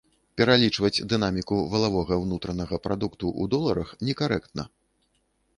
Пералічваць дынаміку валавога ўнутранага прадукту ў доларах некарэктна.